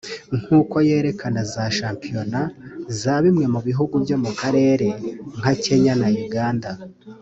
nk’uko yerekana za shampiyona za bimwe mu bihugu byo mu karere nka Kenya na Uganda